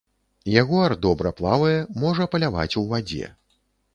Ягуар добра плавае, можа паляваць у вадзе.